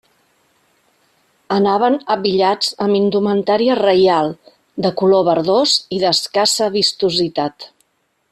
Anaven abillats amb indumentària reial, de color verdós i d'escassa vistositat.